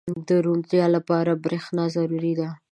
• د روڼتیا لپاره برېښنا ضروري ده.